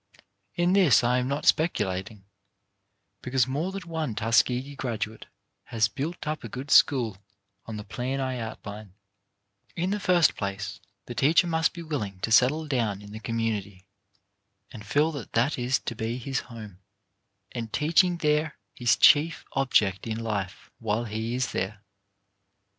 In this I am not speculating, because more than one Tuskegee graduate has built up a good school on the plan I outline. 181 / 1 82 CHARACTER BUILDING In the first place the teacher must be willing to settle down in the community, and feel that that is to be his home, and teaching there his chief ob ject in life while he is there.